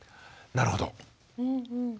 なるほど。